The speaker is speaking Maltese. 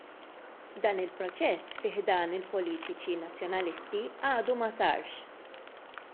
Dan il-proċess fi ħdan il-politiċi Nazzjonalisti għadu ma sarx.